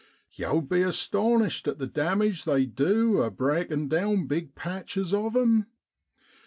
Yow'd be astonished at the damage they du a breaking down big patches of 'em.